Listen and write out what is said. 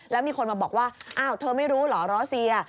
แล้วมีคนมาบอกว่าอ้าวเธอไม่รู้เหรอร้อเซีย